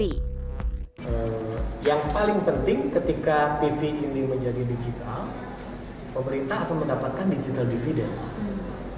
yang paling penting ketika tv ini menjadi digital pemerintah akan mendapatkan digital dividend